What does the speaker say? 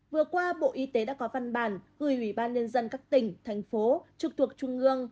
vừa qua bộ y tế đã có văn bản gửi ủy ban nhân dân các tỉnh thành phố trực thuộc trung ương